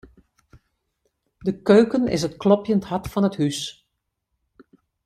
De keuken is it klopjend hart fan it hús.